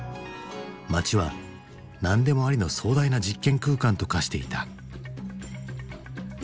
街は何でもありの壮大な実験空間と化していた。